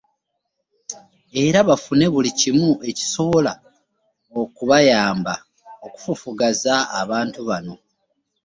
Era bafune buli kimu ekisobola okubayamba okufufuggaza abantu bano.